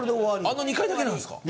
あの２回だけなんですか？